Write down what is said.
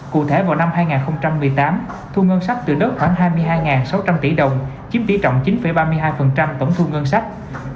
cụ thể vào năm hai nghìn một mươi tám thu ngân sách từ đất khoảng hai mươi hai sáu trăm linh tỷ đồng chiếm tỷ trọng chín ba mươi hai tổng thu ngân sách